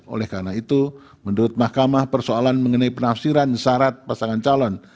oleh karena itu menurut mahkamah persoalan mengenai penafsiran syarat pasangan calon